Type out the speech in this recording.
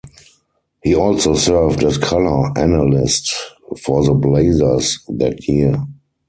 He also served as color analyst for the Blazers that year.